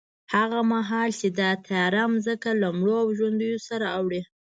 هغه مهال چې دا تیاره ځمکه له مړو او ژوندیو سره اوړي،